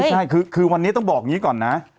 ใช่คือวันนี้ต้องบอกอย่างนี้ก่อนนะ